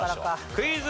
クイズ。